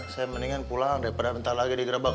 saya mendingan pulang daripada bentar lagi digerebek